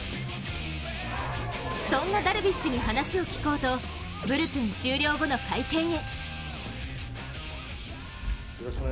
そんなダルビッシュに話を聞こうとブルペン終了後の会見へ。